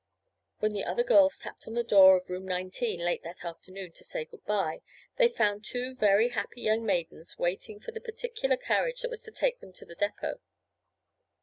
When the other girls tapped on the door of room nineteen late that afternoon, to say good bye, they found two very happy young maidens waiting for the particular carriage that was to take them to the depot.